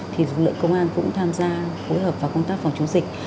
thì lực lượng công an cũng tham gia phối hợp vào công tác phòng chống dịch